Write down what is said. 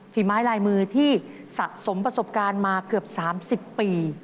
ฝีไม้ลายมือที่สะสมประสบการณ์มาเกือบ๓๐ปี